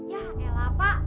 ya elah pak